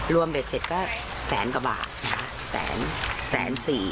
เบ็ดเสร็จก็แสนกว่าบาทนะคะแสนสี่